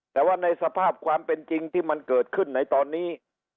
แต่ว่าในสภาพความเป็นจริงที่มันเกิดขึ้นในตอนนี้